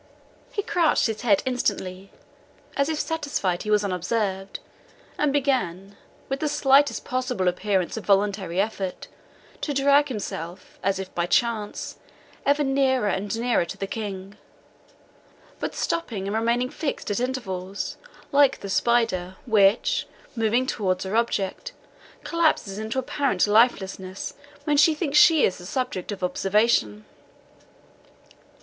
He couched his head instantly, as if satisfied he was unobserved, and began, with the slightest possible appearance of voluntary effort, to drag himself, as if by chance, ever nearer and nearer to the King, but stopping and remaining fixed at intervals, like the spider, which, moving towards her object, collapses into apparent lifelessness when she thinks she is the subject of observation.